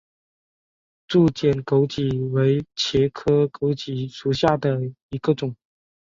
柱筒枸杞为茄科枸杞属下的一个种。